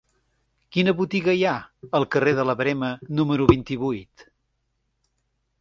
Quina botiga hi ha al carrer de la Verema número vint-i-vuit?